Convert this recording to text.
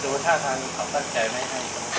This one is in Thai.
โรงพยาบาลโรงพยาบาล